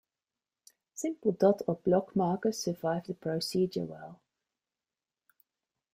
Simple dot or block markers survive the procedure well.